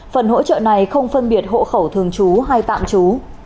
phần hỗ trợ này không phân biệt hộ khẩu thường chú hay tạm chú